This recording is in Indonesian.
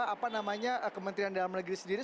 apa namanya kementerian dalam negeri sendiri